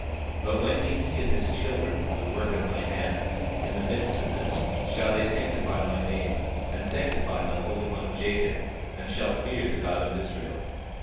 27:34 But when he seeth his children, the work of my hands, in the midst of him, they shall sanctify my name, and sanctify the Holy One of Jacob, and shall fear the God of Israel.